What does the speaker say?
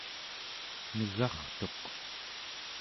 negartuq